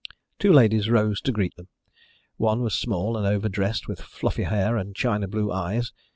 Two ladies rose to greet them. One was small and overdressed, with fluffy hair and China blue eyes.